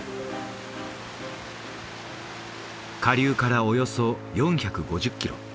下流からおよそ４５０キロ